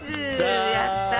やったー。